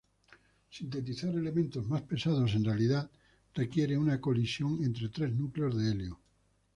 Sintetizar elementos más pesados en realidad requiere una colisión entre tres núcleos de helio.